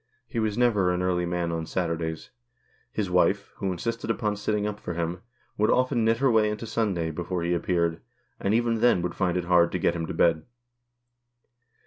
He was never an early man on Saturdays. His wife, who insisted upon sitting up for him, would often knit her way into Sunday before he appeared, and even then woiild find it hard to get him to bed.